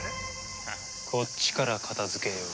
こっちから片付けよう。